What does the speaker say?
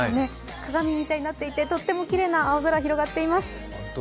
鏡みたいになっていてとってもきれいな青空が広がっています。